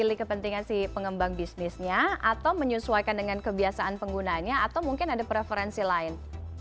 pilih kepentingan si pengembang bisnisnya atau menyesuaikan dengan kebiasaan penggunanya atau mungkin ada preferensi lain